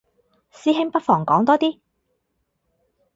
師兄不妨講多啲